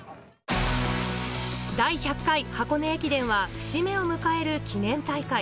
第１００回箱根駅伝は節目を迎える記念大会。